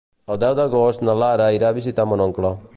El deu d'agost na Lara irà a visitar mon oncle.